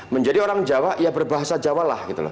menjadi orang jawa ya berbahasa jawa lah